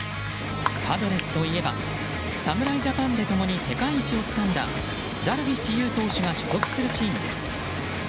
パドレスといえば、侍ジャパンで共に世界一をつかんだダルビッシュ有投手が所属するチームです。